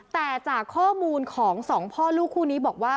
แต่จากข้อมูลของสองพ่อลูกคู่นี้บอกว่า